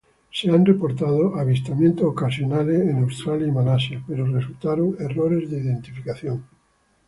Se han reportado avistamientos ocasionales en Australia y Malasia, pero resultaron errores de identificación.